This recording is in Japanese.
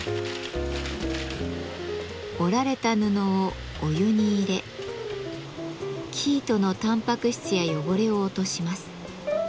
織られた布をお湯に入れ生糸のたんぱく質や汚れを落とします。